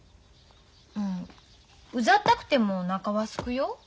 うんうざったくてもおなかはすくよ。